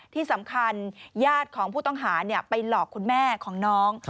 ที่สำคัญญาติของผู้ต้องหาไปหลอกคุณแม่ของน้อง